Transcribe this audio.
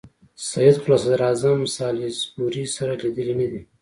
سید خو له صدراعظم سالیزبوري سره لیدلي نه دي.